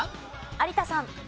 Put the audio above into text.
有田さん。